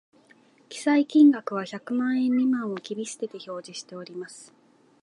記載金額は百万円未満を切り捨てて表示しております